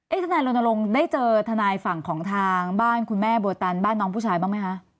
ทนายรณรงค์ได้เจอทนายฝั่งของทางบ้านคุณแม่บัวตันบ้านน้องผู้ชายบ้างไหมคะ